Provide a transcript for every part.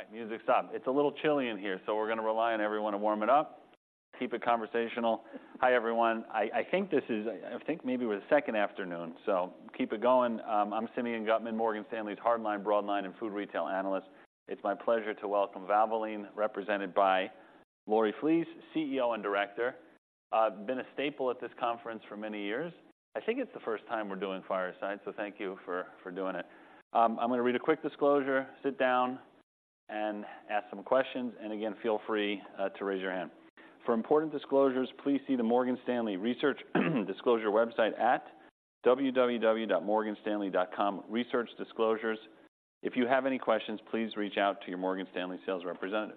All right, music stop. It's a little chilly in here, so we're gonna rely on everyone to warm it up, keep it conversational. Hi, everyone. I think this is maybe the second afternoon, so keep it going. I'm Simeon Gutman, Morgan Stanley's hardline, broadline, and food retail analyst. It's my pleasure to welcome Valvoline, represented by Lori Flees, CEO and director. Been a staple at this conference for many years. I think it's the first time we're doing fireside, so thank you for doing it. I'm gonna read a quick disclosure, sit down and ask some questions, and again, feel free to raise your hand. For important disclosures, please see the Morgan Stanley Research disclosure website at www.morganstanley.com/researchdisclosures. If you have any questions, please reach out to your Morgan Stanley sales representative.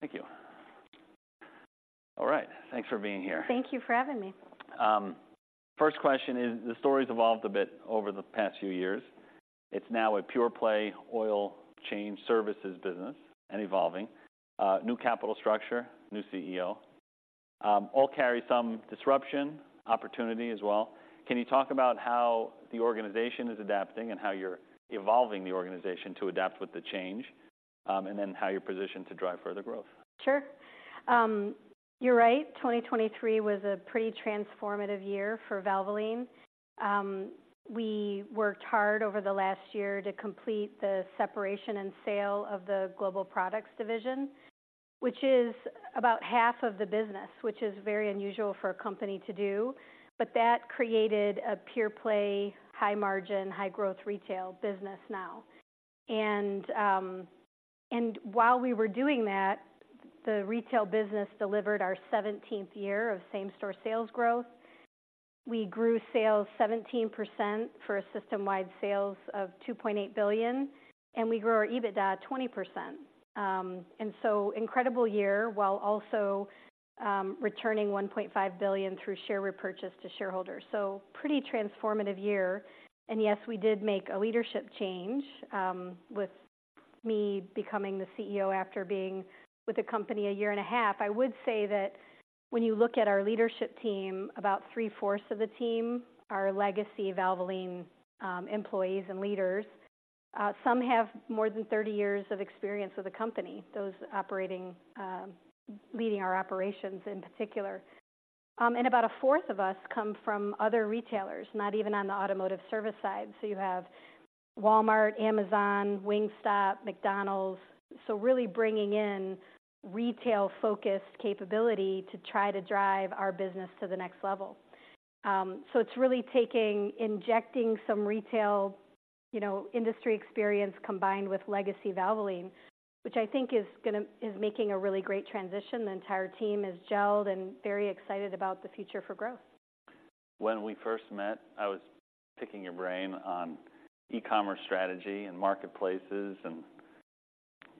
Thank you. All right, thanks for being here. Thank you for having me. First question is, the story's evolved a bit over the past few years. It's now a pure play oil change services business and evolving, new capital structure, new CEO. All carry some disruption, opportunity as well. Can you talk about how the organization is adapting, and how you're evolving the organization to adapt with the change, and then how you're positioned to drive further growth? Sure. You're right, 2023 was a pretty transformative year for Valvoline. We worked hard over the last year to complete the separation and sale of the Global Products division, which is about half of the business, which is very unusual for a company to do. But that created a pure play, high margin, high growth retail business now. And while we were doing that, the retail business delivered our 17th year of same-store sales growth. We grew sales 17% for a system-wide sales of $2.8 billion, and we grew our EBITDA 20%. And so incredible year, while also returning $1.5 billion through share repurchase to shareholders. So pretty transformative year, and yes, we did make a leadership change with me becoming the CEO after being with the company a year and a half. I would say that when you look at our leadership team, about 3/4 of the team are legacy Valvoline employees and leaders. Some have more than 30 years of experience with the company, those operating, leading our operations in particular. And about a 1/4 of us come from other retailers, not even on the automotive service side. So you have Walmart, Amazon, Wingstop, McDonald's. So really bringing in retail-focused capability to try to drive our business to the next level. So it's really taking, injecting some retail, you know, industry experience combined with legacy Valvoline, which I think is making a really great transition. The entire team is gelled and very excited about the future for growth. When we first met, I was picking your brain on e-commerce strategy and marketplaces and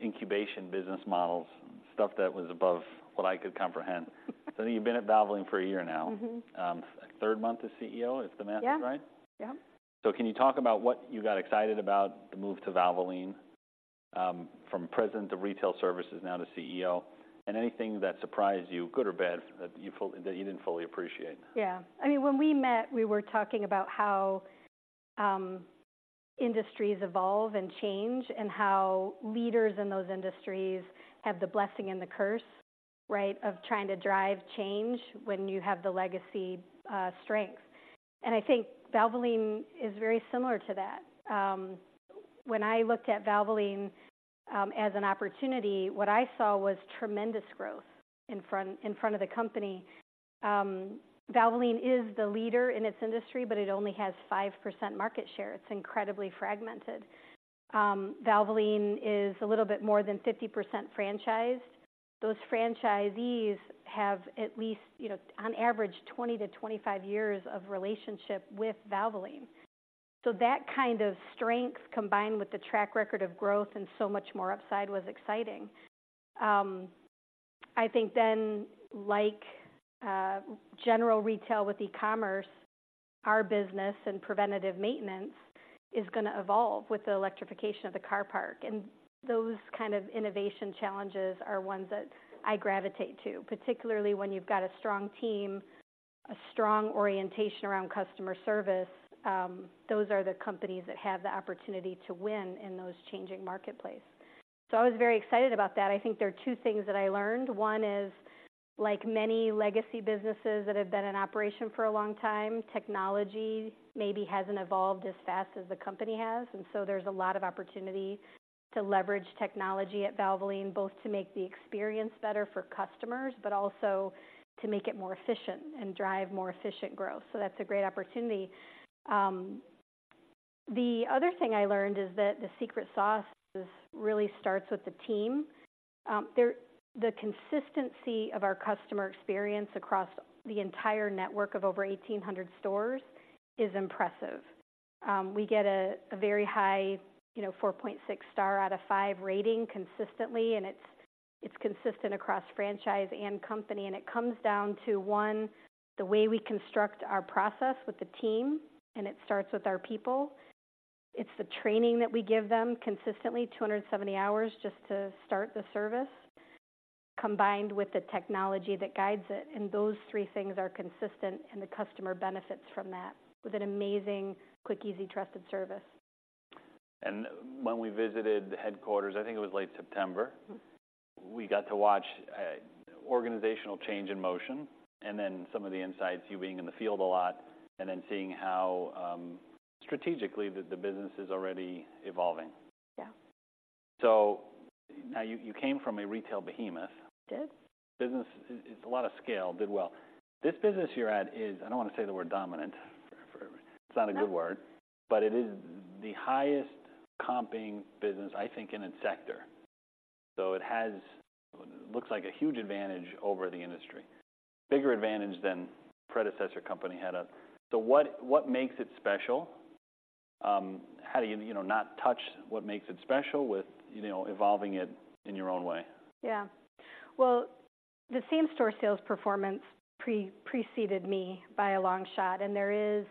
incubation business models, and stuff that was above what I could comprehend. You've been at Valvoline for a year now. Mm-hmm. Third month as CEO, if the math is right? Yeah. Yep. Can you talk about what you got excited about the move to Valvoline, from president of retail services now to CEO, and anything that surprised you, good or bad, that you didn't fully appreciate? Yeah. I mean, when we met, we were talking about how industries evolve and change, and how leaders in those industries have the blessing and the curse, right, of trying to drive change when you have the legacy strength. I think Valvoline is very similar to that. When I looked at Valvoline as an opportunity, what I saw was tremendous growth in front, in front of the company. Valvoline is the leader in its industry, but it only has 5% market share. It's incredibly fragmented. Valvoline is a little bit more than 50% franchised. Those franchisees have at least, you know, on average, 20-25 years of relationship with Valvoline. So that kind of strength, combined with the track record of growth and so much more upside, was exciting. I think then, like, general retail with e-commerce, our business and preventative maintenance is gonna evolve with the electrification of the car park, and those kind of innovation challenges are ones that I gravitate to, particularly when you've got a strong team, a strong orientation around customer service. Those are the companies that have the opportunity to win in those changing marketplace. So I was very excited about that. I think there are two things that I learned. One is, like many legacy businesses that have been in operation for a long time, technology maybe hasn't evolved as fast as the company has, and so there's a lot of opportunity to leverage technology at Valvoline, both to make the experience better for customers, but also to make it more efficient and drive more efficient growth. So that's a great opportunity. The other thing I learned is that the secret sauce really starts with the team. There, the consistency of our customer experience across the entire network of over 1,800 stores is impressive. We get a very high, you know, 4.6 star out of five rating consistently, and it's consistent across franchise and company. And it comes down to one, the way we construct our process with the team, and it starts with our people. It's the training that we give them consistently, 270 hours just to start the service, combined with the technology that guides it, and those three things are consistent, and the customer benefits from that with an amazing, quick, easy, trusted service. When we visited the headquarters, I think it was late September, we got to watch organizational change in motion, and then some of the insights, you being in the field a lot, and then seeing how strategically the business is already evolving. Yeah. So now, you came from a retail behemoth. I did. Business, it's a lot of scale, did well. This business you're at is... I don't wanna say the word dominant, for, for- Yeah. It's not a good word, but it is the highest comping business, I think, in its sector. So it has what looks like a huge advantage over the industry. Bigger advantage than the predecessor company had. So what, what makes it special? How do you, you know, not touch what makes it special with, you know, evolving it in your own way? Yeah. Well, the same-store sales performance preceded me by a long shot, and there is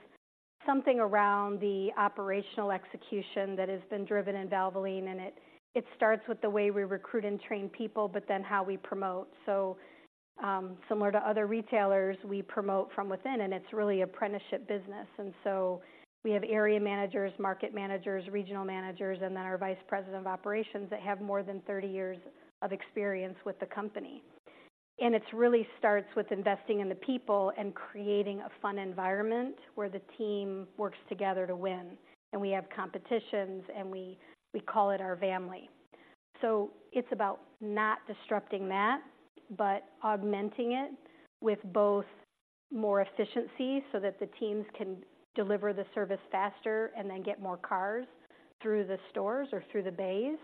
something around the operational execution that has been driven in Valvoline, and it starts with the way we recruit and train people, but then how we promote. So, similar to other retailers, we promote from within, and it's really apprenticeship business. And so we have area managers, market managers, regional managers, and then our vice president of operations that have more than 30 years of experience with the company. And it really starts with investing in the people and creating a fun environment where the team works together to win, and we have competitions, and we call it our Vamily. So it's about not disrupting that, but augmenting it with both more efficiency, so that the teams can deliver the service faster and then get more cars through the stores or through the bays.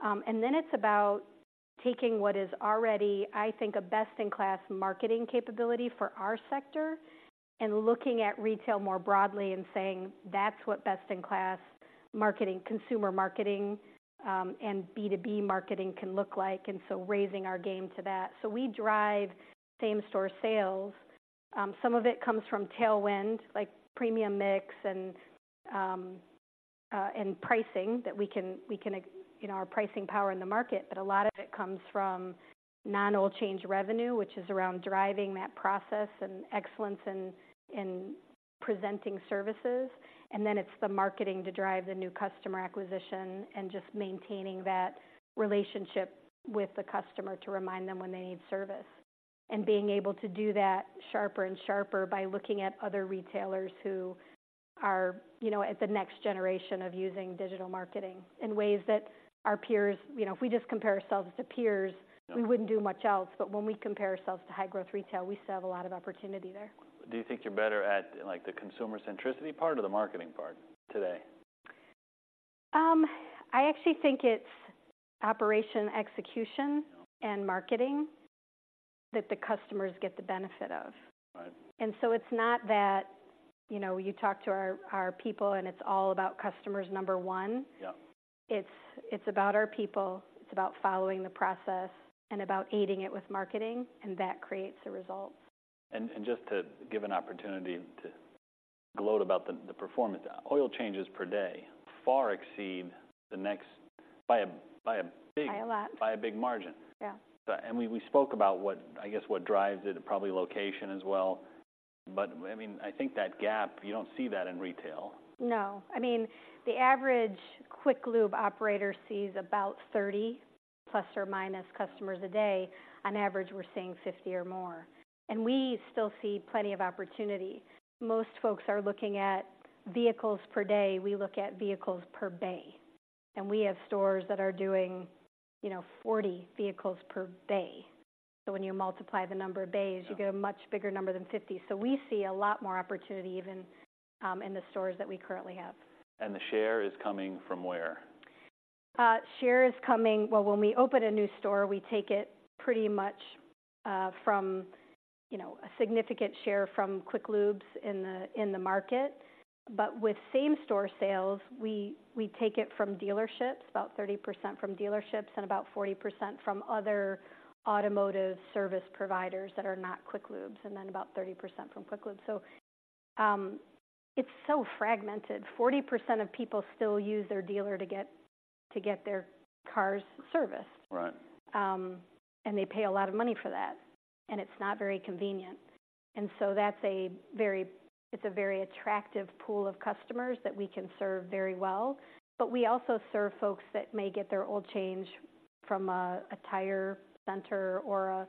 And then it's about taking what is already, I think, a best-in-class marketing capability for our sector and looking at retail more broadly and saying, "That's what best-in-class marketing, consumer marketing, and B2B marketing can look like," and so raising our game to that. So we drive same-store sales. Some of it comes from tailwind, like premium mix and pricing, that we can... You know, our pricing power in the market. But a lot of it comes from non-oil change revenue, which is around driving that process and excellence in presenting services. And then it's the marketing to drive the new customer acquisition and just maintaining that relationship with the customer to remind them when they need service. And being able to do that sharper and sharper by looking at other retailers who are, you know, at the next generation of using digital marketing in ways that our peers... You know, if we just compare ourselves to peers- Yeah... we wouldn't do much else. When we compare ourselves to high-growth retail, we still have a lot of opportunity there. Do you think you're better at, like, the consumer centricity part or the marketing part today? I actually think it's operation execution- Yeah... and marketing, that the customers get the benefit of. Right. It's not that, you know, you talk to our people, and it's all about customers number one. Yeah. It's about our people, it's about following the process and about aiding it with marketing, and that creates the results. And just to give an opportunity to gloat about the performance, oil changes per day far exceed the next by a big- By a lot. By a big margin. Yeah. We spoke about what, I guess, what drives it, probably location as well. But, I mean, I think that gap, you don't see that in retail. No. I mean, the average quick lube operator sees about 30, plus or minus, customers a day. On average, we're seeing 50 or more, and we still see plenty of opportunity. Most folks are looking at vehicles per day. We look at vehicles per bay, and we have stores that are doing, you know, 40 vehicles per bay. So when you multiply the number of bays- Yeah... you get a much bigger number than 50. So we see a lot more opportunity even in the stores that we currently have. The share is coming from where? Share is coming... Well, when we open a new store, we take it pretty much from, you know, a significant share from quick lubes in the market. But with same-store sales, we take it from dealerships, about 30% from dealerships and about 40% from other automotive service providers that are not quick lubes, and then about 30% from quick lubes. So, it's so fragmented. 40% of people still use their dealer to get their cars serviced. Right. And they pay a lot of money for that, and it's not very convenient. And so that's a very attractive pool of customers that we can serve very well. But we also serve folks that may get their oil changed from a tire center or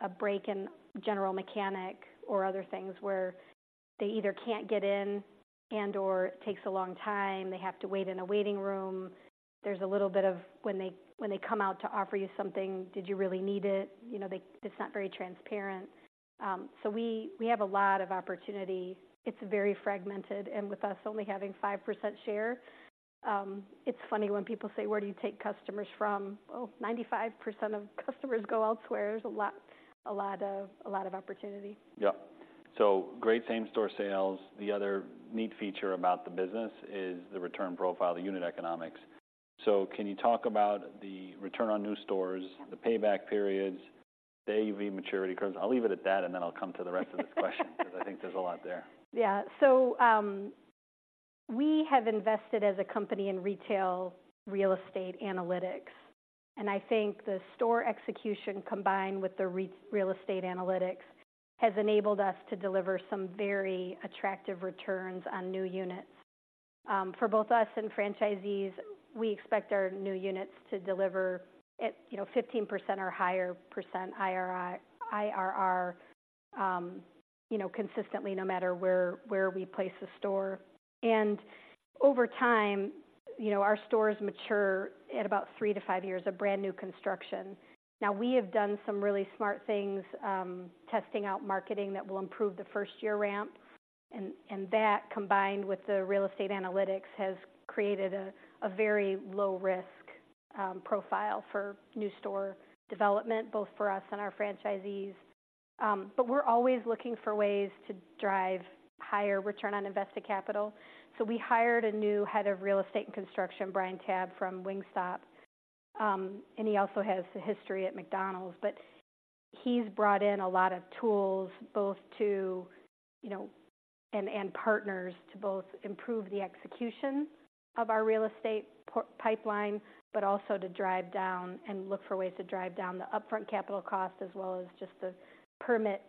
a brake and general mechanic or other things, where they either can't get in and/or it takes a long time, they have to wait in a waiting room. There's a little bit of when they, when they come out to offer you something, did you really need it? You know, they... It's not very transparent. So we have a lot of opportunity. It's very fragmented, and with us only having 5% share, it's funny when people say: Where do you take customers from? Well, 95% of customers go elsewhere. There's a lot of opportunity. Yeah. So great same-store sales. The other neat feature about the business is the return profile, the unit economics. So can you talk about the return on new stores, the payback periods, day V maturity curves? I'll leave it at that, and then I'll come to the rest of this question... because I think there's a lot there. Yeah. We have invested as a company in retail real estate analytics, and I think the store execution, combined with the real estate analytics, has enabled us to deliver some very attractive returns on new units. For both us and franchisees, we expect our new units to deliver at, you know, 15% or higher IRR consistently, no matter where we place the store. Over time, you know, our stores mature at about three to five-years of brand-new construction. Now, we have done some really smart things, testing out marketing that will improve the first-year ramp, and that, combined with the real estate analytics, has created a very low-risk profile for new store development, both for us and our franchisees. But we're always looking for ways to drive higher return on invested capital. So we hired a new head of real estate and construction, Brian Tabb, from Wingstop. And he also has a history at McDonald's. But he's brought in a lot of tools, both to, you know, and partners, to both improve the execution of our real estate pipeline, but also to drive down and look for ways to drive down the upfront capital cost, as well as just the permit,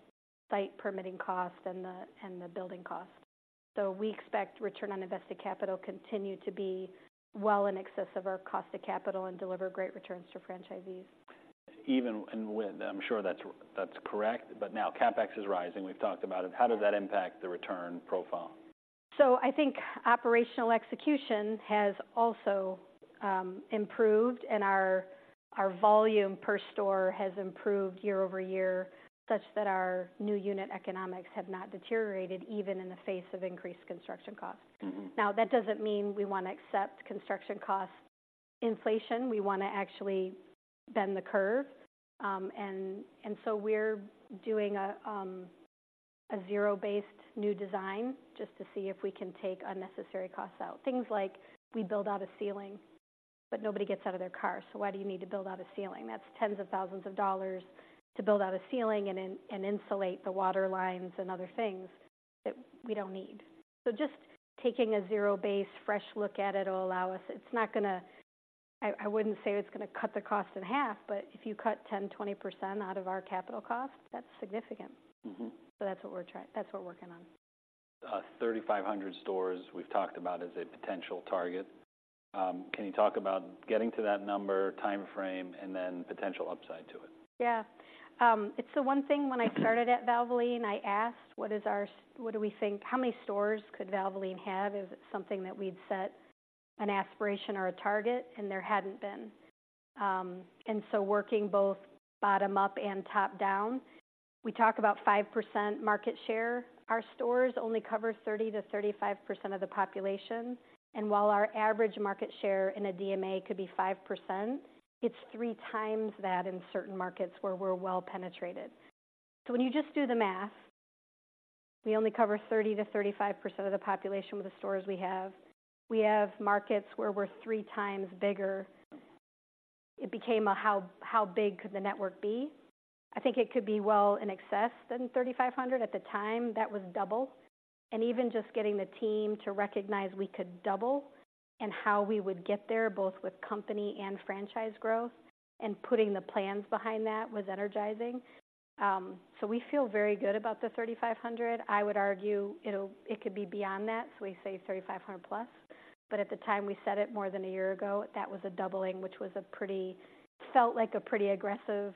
site permitting cost and the, and the building cost. So we expect return on invested capital continue to be well in excess of our cost of capital and deliver great returns to franchisees. I'm sure that's correct. But now CapEx is rising. We've talked about it. How does that impact the return profile? I think operational execution has also improved, and our volume per store has improved year-over-year, such that our new unit economics have not deteriorated, even in the face of increased construction costs. Mm-hmm. Now, that doesn't mean we want to accept construction cost inflation. We want to actually bend the curve. And so we're doing a zero-based new design just to see if we can take unnecessary costs out. Things like we build out a ceiling, but nobody gets out of their car, so why do you need to build out a ceiling? That's tens of thousands of dollars to build out a ceiling and insulate the water lines and other things that we don't need. So just taking a zero-based, fresh look at it will allow us... It's not gonna. I wouldn't say it's gonna cut the cost in half, but if you cut 10%-20% out of our capital cost, that's significant. Mm-hmm. So that's what we're trying, that's what we're working on. 3,500 stores we've talked about as a potential target. Can you talk about getting to that number, timeframe, and then potential upside to it? Yeah. It's the one thing when I started at Valvoline, I asked, what is our-- what do we think? How many stores could Valvoline have? Is it something that we'd set an aspiration or a target? And there hadn't been. And so working both bottom up and top down, we talk about 5% market share. Our stores only cover 30%-35% of the population, and while our average market share in a DMA could be 5%, it's three times that in certain markets where we're well penetrated. So when you just do the math, we only cover 30%-35% of the population with the stores we have. We have markets where we're three times bigger. It became a how, how big could the network be? I think it could be well in excess than 3,500. At the time, that was double. Even just getting the team to recognize we could double and how we would get there, both with company and franchise growth, and putting the plans behind that was energizing. So we feel very good about the 3,500. I would argue it'll- it could be beyond that, so we say 3,500+. But at the time we said it, more than a year ago, that was a doubling, which was a pretty... Felt like a pretty aggressive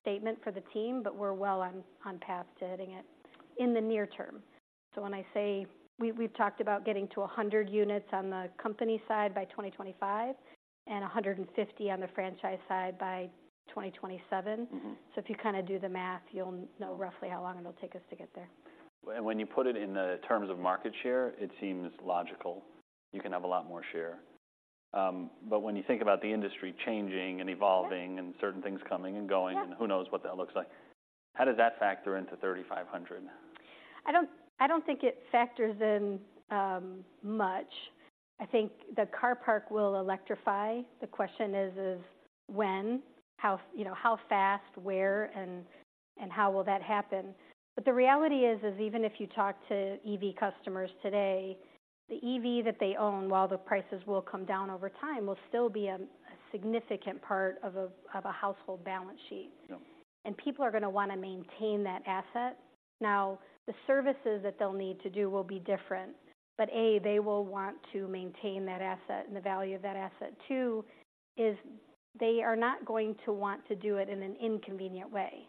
statement for the team, but we're well on path to hitting it in the near term. So when I say we, we've talked about getting to 100 units on the company side by 2025 and 150 on the franchise side by 2027. Mm-hmm. If you kind of do the math, you'll know roughly how long it'll take us to get there. When you put it in the terms of market share, it seems logical. You can have a lot more share. But when you think about the industry changing and evolving- Yeah. and certain things coming and going Yeah. And who knows what that looks like, how does that factor into 3,500? I don't, I don't think it factors in much. I think the car park will electrify. The question is when, how, you know, how fast, where, and how will that happen? But the reality is even if you talk to EV customers today, the EV that they own, while the prices will come down over time, will still be a significant part of a household balance sheet. Yeah. People are gonna wanna maintain that asset. Now, the services that they'll need to do will be different. But, A, they will want to maintain that asset and the value of that asset. Two, is they are not going to want to do it in an inconvenient way.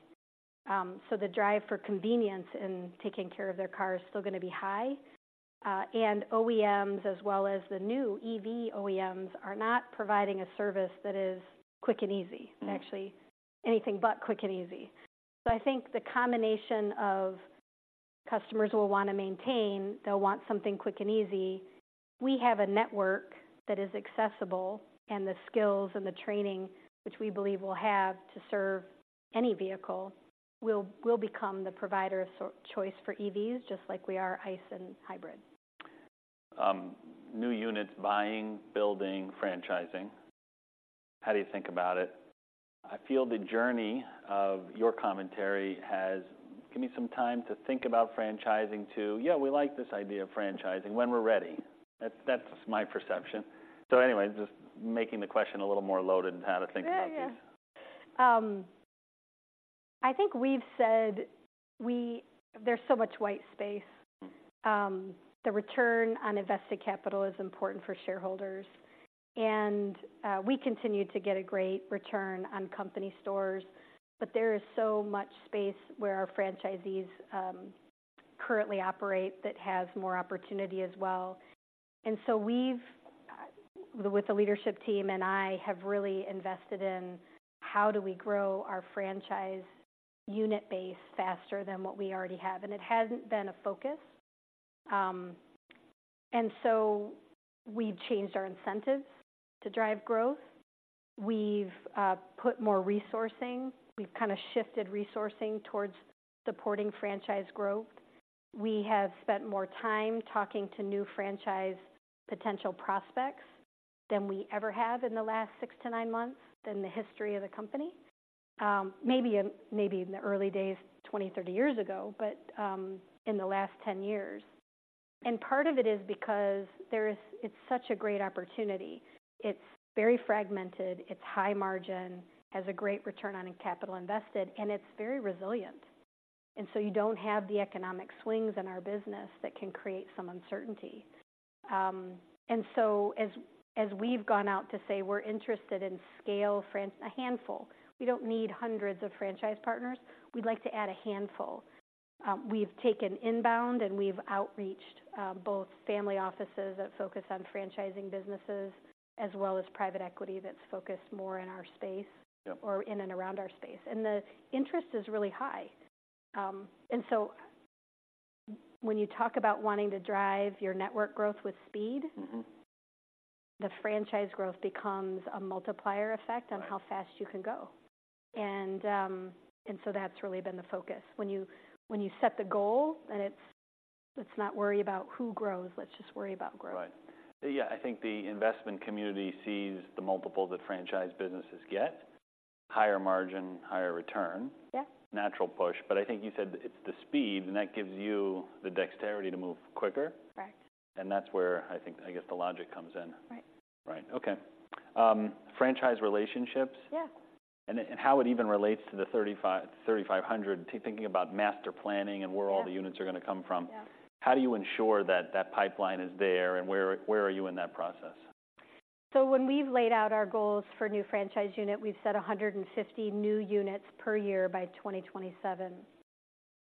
So the drive for convenience in taking care of their car is still gonna be high. And OEMs, as well as the new EV OEMs, are not providing a service that is quick and easy. Mm-hmm. It's actually anything but quick and easy. So I think the combination of customers will want to maintain, they'll want something quick and easy. We have a network that is accessible, and the skills and the training, which we believe we'll have to serve any vehicle, we'll, we'll become the provider of choice for EVs, just like we are for ICE and hybrid. New units, buying, building, franchising... How do you think about it? I feel the journey of your commentary has given me some time to think about franchising to, "Yeah, we like this idea of franchising when we're ready." That's, that's my perception. So anyway, just making the question a little more loaded in how to think about this. Yeah, yeah. I think we've said there's so much white space. The return on invested capital is important for shareholders, and we continue to get a great return on company stores. But there is so much space where our franchisees currently operate that has more opportunity as well. And so we've, with the leadership team and I, have really invested in how do we grow our franchise unit base faster than what we already have? And it hasn't been a focus. And so we've changed our incentives to drive growth. We've put more resourcing. We've kind of shifted resourcing towards supporting franchise growth. We have spent more time talking to new franchise potential prospects than we ever have in the last 6-9 months than the history of the company. Maybe in the early days, 20, 30 years ago, but in the last 10 years. And part of it is because there is. It's such a great opportunity. It's very fragmented, it's high margin, has a great return on capital invested, and it's very resilient. And so you don't have the economic swings in our business that can create some uncertainty. And so as we've gone out to say, we're interested in scale franchise a handful, we don't need hundreds of franchise partners. We'd like to add a handful. We've taken inbound, and we've outreached both family offices that focus on franchising businesses, as well as private equity that's focused more in our space or in and around our space. And the interest is really high. And so when you talk about wanting to drive your network growth with speed- Mm-hmm. the franchise growth becomes a multiplier effect Right... on how fast you can go. And, and so that's really been the focus. When you, when you set the goal, and it's let's not worry about who grows, let's just worry about growth. Right. Yeah, I think the investment community sees the multiple that franchise businesses get: higher margin, higher return. Yeah. Natural push. But I think you said it's the speed, and that gives you the dexterity to move quicker. Correct. That's where I think, I guess, the logic comes in. Right. Right. Okay. franchise relationships- Yeah... and how it even relates to the 35, 3,500, thinking about master planning and- Yeah Where all the units are gonna come from. Yeah. How do you ensure that that pipeline is there, and where, where are you in that process? So when we've laid out our goals for new franchise unit, we've said 150 new units per year by 2027.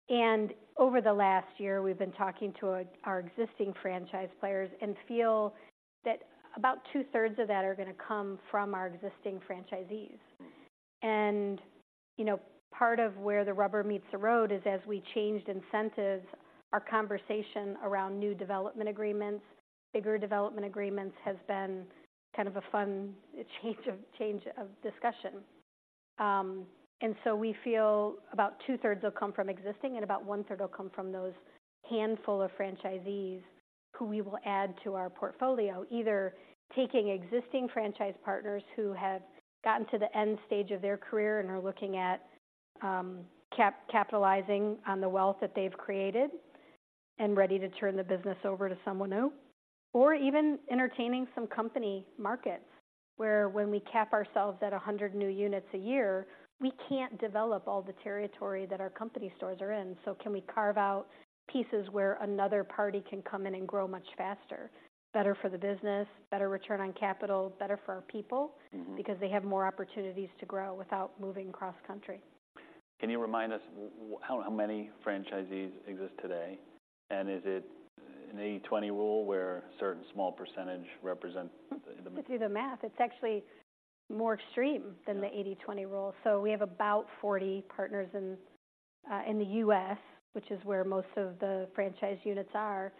And over the last year, we've been talking to our, our existing franchise players and feel that about two-thirds of that are gonna come from our existing franchisees. And, you know, part of where the rubber meets the road is, as we changed incentives, our conversation around new development agreements, bigger development agreements, has been kind of a fun change of, change of discussion. And so we feel about two-thirds will come from existing, and about one-third will come from those handful of franchisees who we will add to our portfolio, either taking existing franchise partners who have gotten to the end stage of their career and are looking at capitalizing on the wealth that they've created and ready to turn the business over to someone new, or even entertaining some company markets, where when we cap ourselves at 100 new units a year, we can't develop all the territory that our company stores are in. So can we carve out pieces where another party can come in and grow much faster? Better for the business, better return on capital, better for our people. Mm-hmm... because they have more opportunities to grow without moving cross country. Can you remind us how many franchisees exist today? Is it an 80/20 rule, where a certain small percentage represent the- To do the math, it's actually more extreme- Yeah... than the 80/20 rule. So we have about 40 partners in, in the U.S., which is where most of the franchise units are,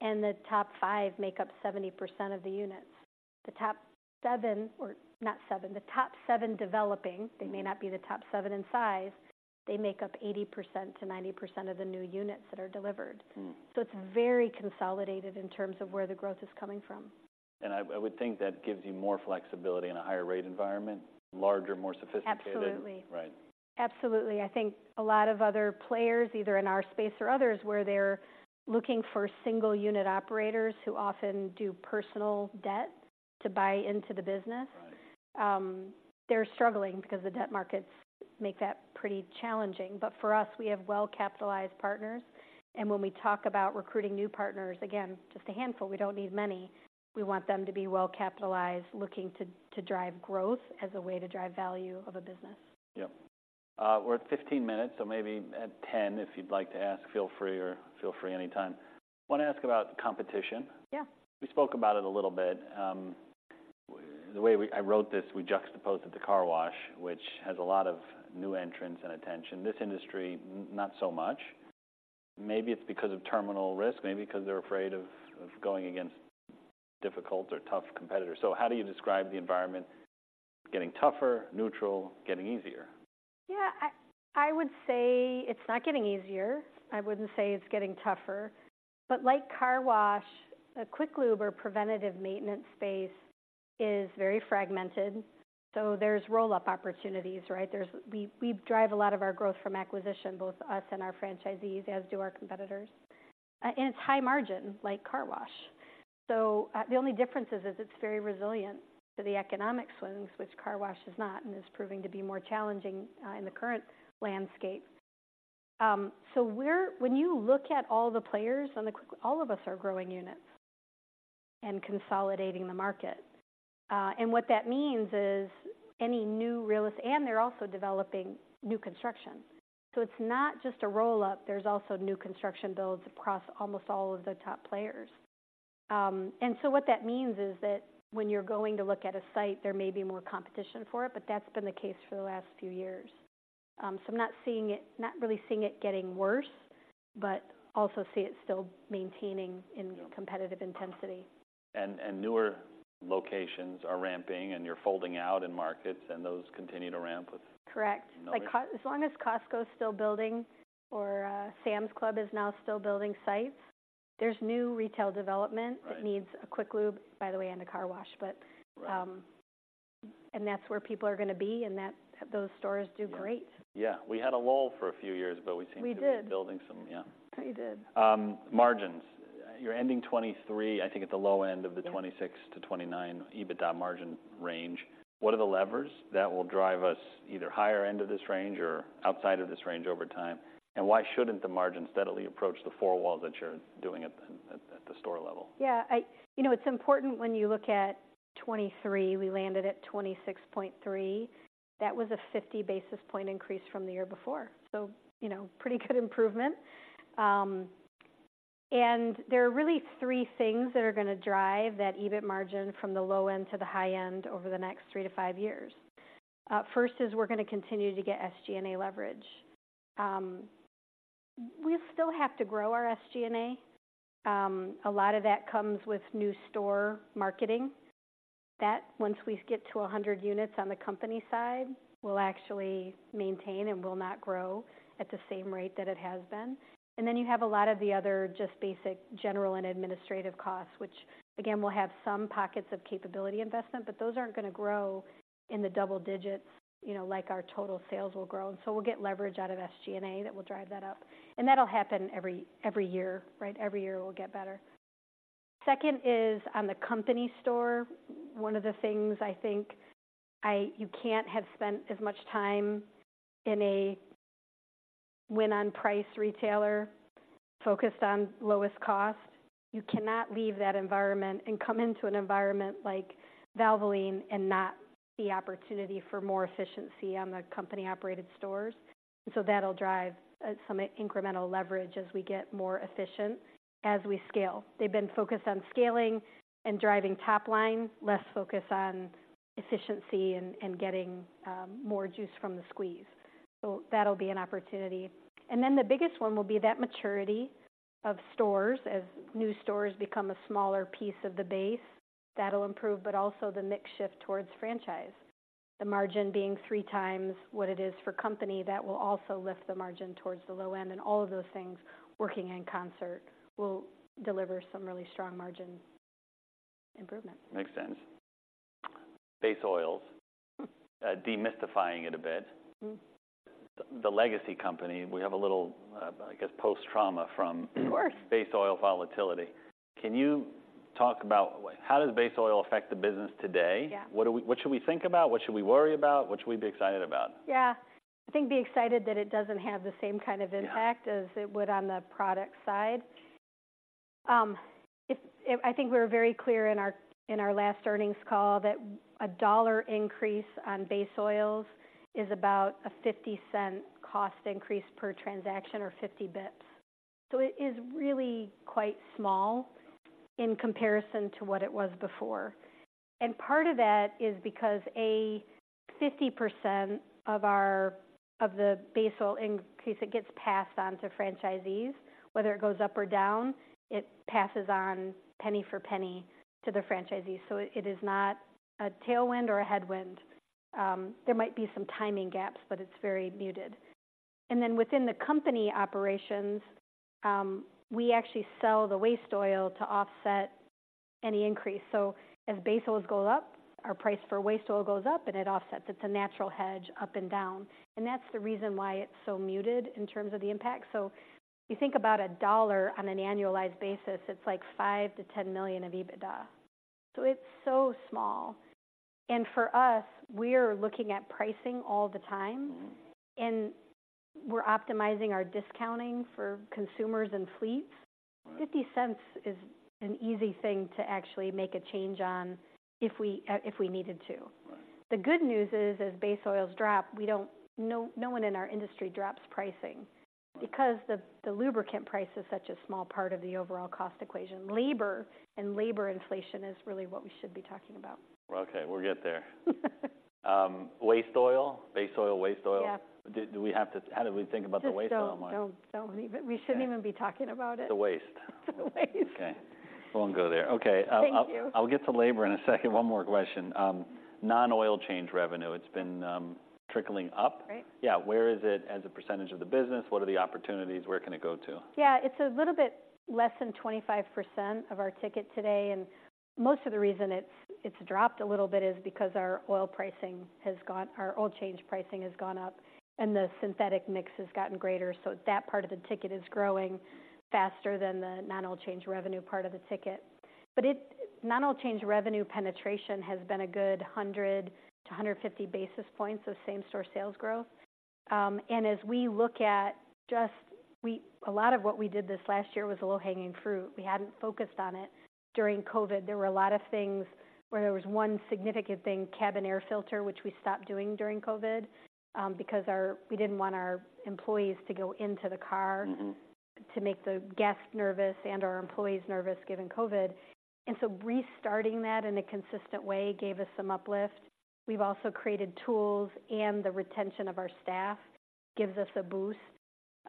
and the top five make up 70% of the units. The top seven, or not seven, the top seven developing- Mm-hmm... they may not be the top seven in size, they make up 80%-90% of the new units that are delivered. Hmm. It's very consolidated in terms of where the growth is coming from. I would think that gives you more flexibility in a higher rate environment, larger, more sophisticated. Absolutely. Right. Absolutely. I think a lot of other players, either in our space or others, where they're looking for single unit operators who often do personal debt to buy into the business- Right... they're struggling because the debt markets make that pretty challenging. But for us, we have well-capitalized partners, and when we talk about recruiting new partners, again, just a handful, we don't need many. We want them to be well-capitalized, looking to, to drive growth as a way to drive value of a business. Yep. We're at 15 minutes, so maybe at 10, if you'd like to ask, feel free or feel free any time. I want to ask about competition. Yeah. We spoke about it a little bit. The way I wrote this, we juxtaposed the car wash, which has a lot of new entrants and attention. This industry, not so much. Maybe it's because of terminal risk, maybe because they're afraid of going against difficult or tough competitors. So how do you describe the environment? Getting tougher, neutral, getting easier? Yeah, I would say it's not getting easier. I wouldn't say it's getting tougher, but like car wash, a quick lube or preventative maintenance space is very fragmented, so there's roll-up opportunities, right? There's we drive a lot of our growth from acquisition, both us and our franchisees, as do our competitors. And it's high margin, like car wash. The only difference is it's very resilient to the economic swings, which car wash is not, and is proving to be more challenging in the current landscape. So we're when you look at all the players on the quick, all of us are growing units and consolidating the market. And what that means is, any new realist- and they're also developing new construction. So it's not just a roll-up, there's also new construction builds across almost all of the top players. And so what that means is that when you're going to look at a site, there may be more competition for it, but that's been the case for the last few years. So I'm not really seeing it getting worse, but also see it still maintaining in competitive intensity. Newer locations are ramping, and you're rolling out in markets, and those continue to ramp with- Correct. No issues. Like, as long as Costco is still building or, Sam's Club is now still building sites, there's new retail development- Right... that needs a quick lube, by the way, and a car wash, but, Right... and that's where people are gonna be, and that, those stores do great. Yeah. Yeah, we had a lull for a few years, but we seem to be- We did... building some, yeah. We did. Margins. You're ending 2023, I think, at the low end of the- Yeah... 26%-29% EBITDA margin range. What are the levers that will drive us either higher end of this range or outside of this range over time? And why shouldn't the margin steadily approach the four wall that you're doing at the store level? Yeah, you know, it's important when you look at 2023, we landed at 26.3. That was a 50 basis point increase from the year before, so, you know, pretty good improvement. There are really three things that are gonna drive that EBIT margin from the low end to the high end over the next three to five years. First is we're gonna continue to get SG&A leverage. We still have to grow our SG&A. A lot of that comes with new store marketing, that once we get to 100 units on the company side, will actually maintain and will not grow at the same rate that it has been. Then, you have a lot of the other just basic general and administrative costs, which again, will have some pockets of capability investment, but those aren't gonna grow in the double digits, you know, like our total sales will grow. So we'll get leverage out of SG&A that will drive that up, and that'll happen every year, right? Every year, we'll get better. Second is on the company store. One of the things... You can't have spent as much time in a win on price retailer focused on lowest cost. You cannot leave that environment and come into an environment like Valvoline and not see opportunity for more efficiency on the company-operated stores. So that'll drive some incremental leverage as we get more efficient, as we scale. They've been focused on scaling and driving top line, less focus on efficiency and getting more juice from the squeeze. So that'll be an opportunity. And then, the biggest one will be that maturity of stores. As new stores become a smaller piece of the base, that'll improve, but also the mix shift towards franchise. The margin being three times what it is for company, that will also lift the margin towards the low end, and all of those things working in concert will deliver some really strong margin improvement. Makes sense. Base oils, demystifying it a bit. Mm-hmm. The legacy company, we have a little, I guess, post-trauma from- Of course... base oil volatility. Can you talk about... How does base oil affect the business today? Yeah. What should we think about? What should we worry about? What should we be excited about? Yeah. I think be excited that it doesn't have the same kind of impact- Yeah... as it would on the product side. If I think we're very clear in our last earnings call that a $1 increase on base oils is about a $0.50 cost increase per transaction or 50 basis points. So it is really quite small in comparison to what it was before, and part of that is because a 50% of our base oil increase, it gets passed on to franchisees. Whether it goes up or down, it passes on penny for penny to the franchisees, so it is not a tailwind or a headwind. There might be some timing gaps, but it's very muted. And then, within the company operations, we actually sell the waste oil to offset any increase. So as base oils go up, our price for waste oil goes up, and it offsets. It's a natural hedge up and down, and that's the reason why it's so muted in terms of the impact. So you think about $1 on an annualized basis, it's like $5 million-$10 million of EBITDA. So it's so small, and for us, we're looking at pricing all the time- Mm-hmm... and we're optimizing our discounting for consumers and fleets. Right. $0.50 is an easy thing to actually make a change on if we, if we needed to. Right. The good news is, as base oils drop, no one in our industry drops pricing because the lubricant price is such a small part of the overall cost equation. Labor and labor inflation is really what we should be talking about. Okay, we'll get there. Waste oil, base oil, waste oil. Yeah. Do we have to... How do we think about the waste oil? Just don't even- Okay. We shouldn't even be talking about it. It's a waste. It's a waste. Okay. Won't go there. Okay. Thank you. I'll, I'll get to labor in a second. One more question. Non-oil change revenue, it's been trickling up? Right. Yeah. Where is it as a percentage of the business? What are the opportunities? Where can it go to? Yeah, it's a little bit less than 25% of our ticket today, and most of the reason it's, it's dropped a little bit is because our oil pricing has gone - our oil change pricing has gone up, and the synthetic mix has gotten greater. So that part of the ticket is growing faster than the non-oil change revenue part of the ticket. But it - non-oil change revenue penetration has been a good 100-150 basis points of same-store sales growth. And as we look at just... We - a lot of what we did this last year was low-hanging fruit. We hadn't focused on it during COVID. There were a lot of things where there was one significant thing, cabin air filter, which we stopped doing during COVID, because we didn't want our employees to go into the car- Mm-hmm... to make the guest nervous and/or our employees nervous, given COVID. And so restarting that in a consistent way gave us some uplift. We've also created tools, and the retention of our staff gives us a boost.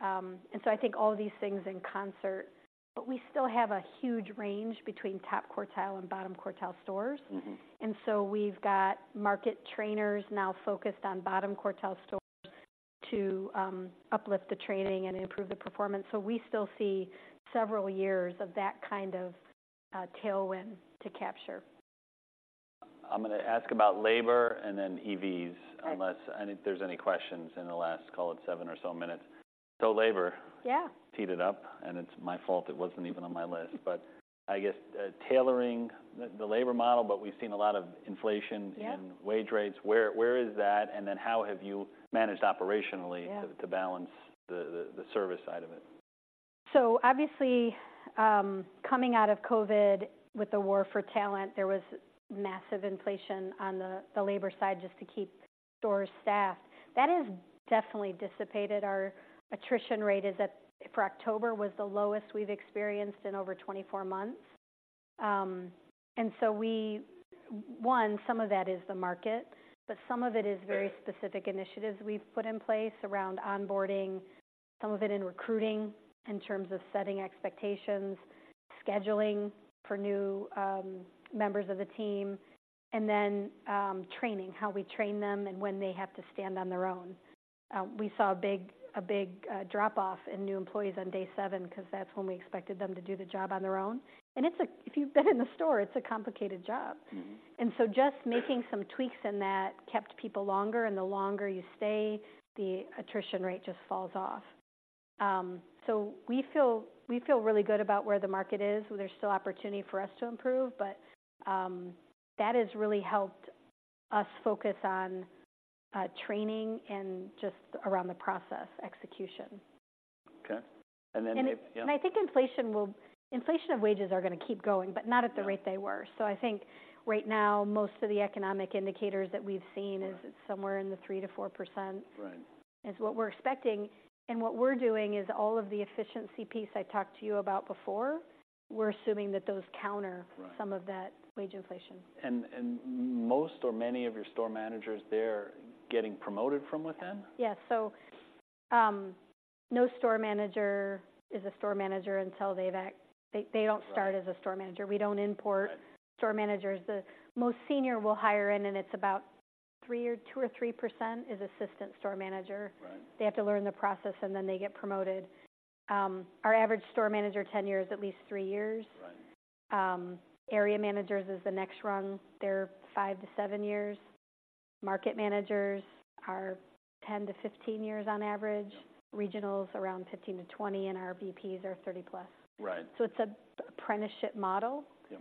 And so I think all of these things in concert. But we still have a huge range between top quartile and bottom quartile stores. Mm-hmm. We've got market trainers now focused on bottom quartile stores to uplift the training and improve the performance. We still see several years of that kind of tailwind to capture. I'm gonna ask about labor and then EVs- Right... unless there's any questions in the last, call it, seven or so minutes. So labor. Yeah. Teed it up, and it's my fault it wasn't even on my list. But I guess, tailoring the labor model, but we've seen a lot of inflation- Yeah... in wage rates. Where, where is that? And then how have you managed operationally- Yeah... to balance the service side of it? So obviously, coming out of COVID, with the war for talent, there was massive inflation on the labor side just to keep stores staffed. That has definitely dissipated. Our attrition rate is at, for October, was the lowest we've experienced in over 24 months. And so we... One, some of that is the market, but some of it is very specific initiatives we've put in place around onboarding, some of it in recruiting, in terms of setting expectations, scheduling for new members of the team, and then training, how we train them and when they have to stand on their own. We saw a big drop-off in new employees on day seven, 'cause that's when we expected them to do the job on their own. And it's a. If you've been in the store, it's a complicated job. Mm-hmm. And so just making some tweaks in that kept people longer, and the longer you stay, the attrition rate just falls off. So we feel, we feel really good about where the market is, where there's still opportunity for us to improve, but, that has really helped us focus on, training and just around the process execution. Okay. And then EV- And- Yeah. I think inflation will... Inflation of wages are gonna keep going, but not at the rate they were. Yeah. I think right now, most of the economic indicators that we've seen- Right... is it's somewhere in the 3%-4%- Right... is what we're expecting. What we're doing is all of the efficiency piece I talked to you about before. We're assuming that those counter- Right... some of that wage inflation. Most or many of your store managers there are getting promoted from within? Yes. So, no store manager is a store manager until they've Right... don't start as a store manager. We don't import- Right... store managers. The most senior we'll hire in, and it's about 3%, or 2% or 3%, is assistant store manager. Right. They have to learn the process, and then they get promoted. Our average store manager tenure is at least three years. Right. Area managers is the next rung. They're five to seven years. Market managers are 10-15 years on average. Yeah. Regionals, around 15-20, and our VPs are 30+. Right. It's an apprenticeship model. Yeah.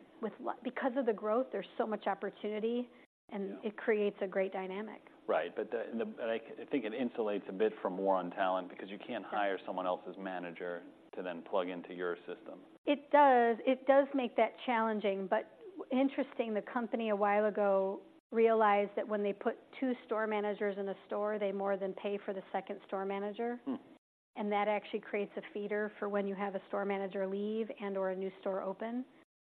Because of the growth, there's so much opportunity. Yeah... and it creates a great dynamic. Right. But I think it insulates a bit from war on talent, because you can't hire- Right... someone else's manager to then plug into your system. It does. It does make that challenging, but interesting. The company a while ago realized that when they put two store managers in a store, they more than pay for the second store manager. Hmm. That actually creates a feeder for when you have a store manager leave and/or a new store open,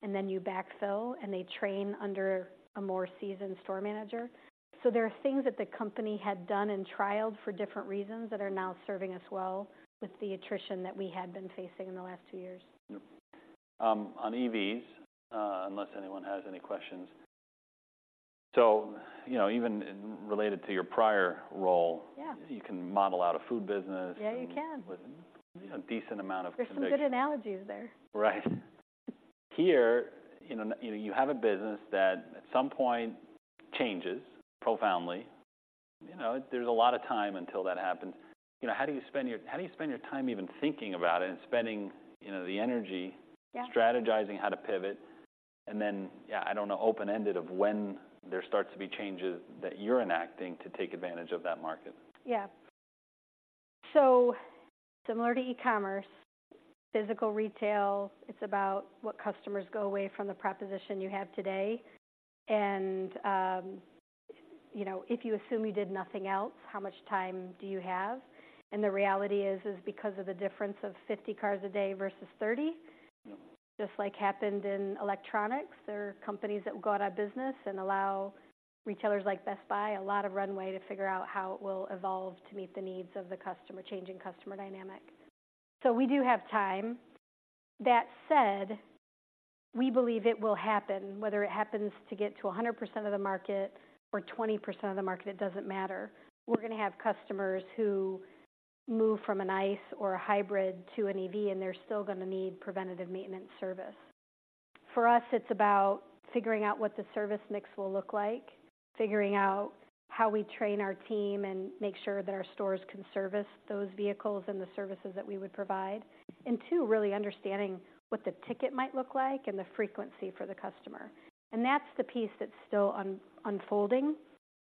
and then you backfill, and they train under a more seasoned store manager. There are things that the company had done and trialed for different reasons that are now serving us well with the attrition that we had been facing in the last two years. Yep. On EVs, unless anyone has any questions, so, you know, even related to your prior role- Yeah... you can model out a food business. Yeah, you can. With, you know, decent amount of conviction. There's some good analogies there. Right. Here, you know, you know, you have a business that at some point changes profoundly. You know, there's a lot of time until that happens. You know, how do you spend your, how do you spend your time even thinking about it and spending, you know, the energy- Yeah ...strategizing how to pivot? And then, yeah, I don't know, open-ended of when there starts to be changes that you're enacting to take advantage of that market. Yeah. So similar to e-commerce, physical retail, it's about what customers go away from the proposition you have today. And, you know, if you assume you did nothing else, how much time do you have? And the reality is because of the difference of 50 cars a day versus 30- Yeah... just like happened in electronics, there are companies that will go out of business and allow retailers like Best Buy a lot of runway to figure out how it will evolve to meet the needs of the customer, changing customer dynamic. So we do have time. That said, we believe it will happen. Whether it happens to get to 100% of the market or 20% of the market, it doesn't matter. We're gonna have customers who move from an ICE or a hybrid to an EV, and they're still gonna need preventative maintenance service. For us, it's about figuring out what the service mix will look like, figuring out how we train our team and make sure that our stores can service those vehicles and the services that we would provide, and two, really understanding what the ticket might look like and the frequency for the customer. And that's the piece that's still unfolding.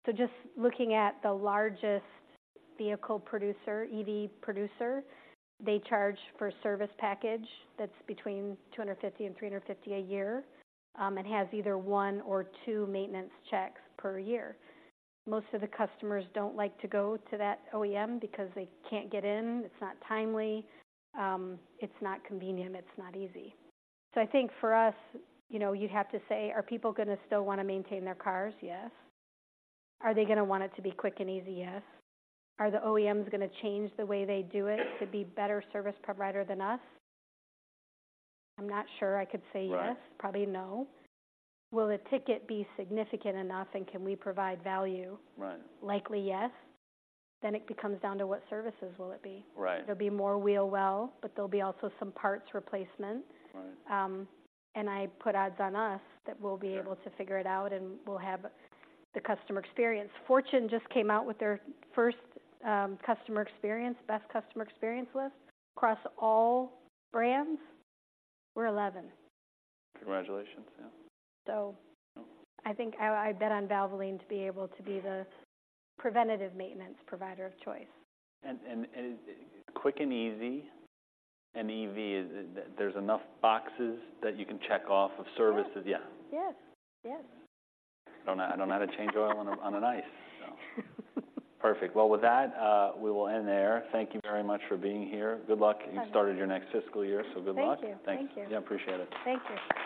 So just looking at the largest vehicle producer, EV producer, they charge for a service package that's between $250 and $350 a year, and has either one or two maintenance checks per year. Most of the customers don't like to go to that OEM because they can't get in, it's not timely, it's not convenient, it's not easy. So I think for us, you know, you'd have to say: Are people gonna still wanna maintain their cars? Yes. Are they gonna want it to be quick and easy? Yes. Are the OEMs gonna change the way they do it to be a better service provider than us? I'm not sure. I could say yes. Right. Probably no. Will the ticket be significant enough, and can we provide value? Right. Likely, yes. Then it becomes down to what services will it be? Right. There'll be more wheel well, but there'll be also some parts replacement. Right. and I put odds on us- Sure... that we'll be able to figure it out, and we'll have the customer experience. Fortune just came out with their first, customer experience, Best Customer Experience list. Across all brands, we're 11. Congratulations. Yeah. So- Yeah... I think I'd bet on Valvoline to be able to be the preventative maintenance provider of choice. Quick and easy, and EV, is... There's enough boxes that you can check off of services? Yes. Yeah. Yes. Yes. I don't know, I don't know how to change oil on an ICE, so. Perfect. Well, with that, we will end there. Thank you very much for being here. Good luck. Okay. You started your next fiscal year, so good luck. Thank you. Thanks. Thank you. Yeah, appreciate it. Thank you.